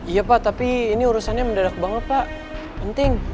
iya pak tapi ini urusannya mendadak banget pak penting